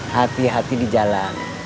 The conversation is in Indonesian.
hati hati di jalan